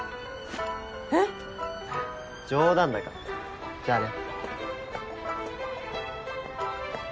えっ⁉冗談だからじゃあね。